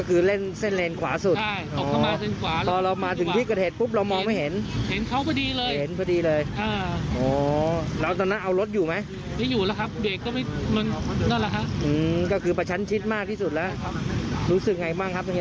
คิดว่าจะเจออย่างนี้เลยครับ